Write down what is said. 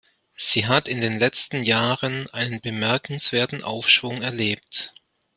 Sie hat in den letzten Jahren einen bemerkenswerten Aufschwung erlebt.